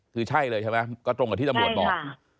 คือใช่เลยใช่ไหมก็ตรงกับที่สมวนหม่อง